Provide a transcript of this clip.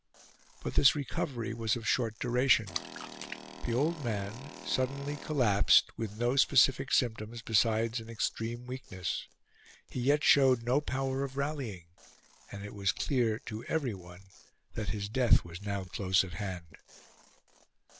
But this recovery was of short duration. The old man suddenly collapsed; with no specific symptoms besides an extreme weakness, he yet showed no power of rallying; and it was clear to everyone that his death was now close at hand.